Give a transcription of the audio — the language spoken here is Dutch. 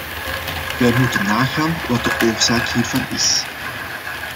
Wij moeten nagaan wat de oorzaak hiervan is.